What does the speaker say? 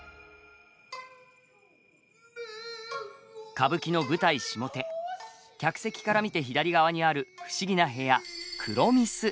歌舞伎の舞台下手客席から見て左側にある不思議な部屋黒御簾。